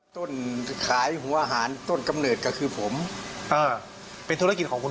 ต้นขายหัวหารต้นกำเนิดกระคุนผมเป็นธุระกิจของคุณพ่อ